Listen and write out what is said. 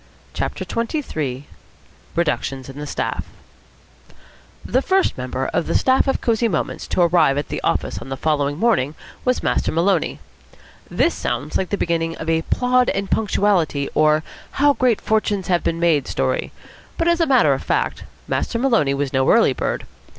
CHAPTER XXIII REDUCTIONS IN THE STAFF The first member of the staff of Cosy Moments to arrive at the office on the following morning was Master Maloney. This sounds like the beginning of a "Plod and Punctuality," or "How Great Fortunes have been Made" story; but, as a matter of fact, Master Maloney was no early bird.